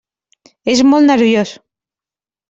És molt nerviós.